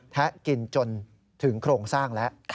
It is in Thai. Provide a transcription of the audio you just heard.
กินจนถึงโครงสร้างแล้ว